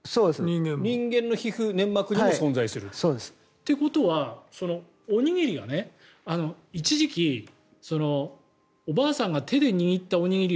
人間の皮膚、粘膜にもそうです。ということはおにぎりが一時期、おばあさんが手で握ったおにぎり